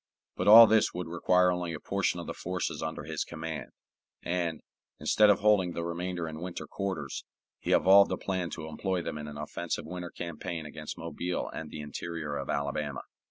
But all this would require only a portion of the forces under his command; and, instead of holding the remainder in winter quarters, he evolved a plan to employ them in an offensive winter campaign against Mobile and the interior of Alabama.